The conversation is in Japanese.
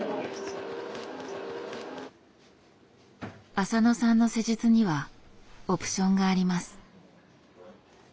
浅野さんの施術にはオプションがあります。